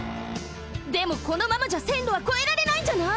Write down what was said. でもこのままじゃせんろはこえられないんじゃない？